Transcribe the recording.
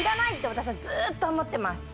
私はずっと思ってます。